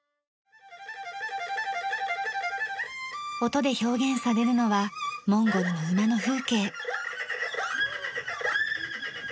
音で表現されるのはモンゴルの馬の風景。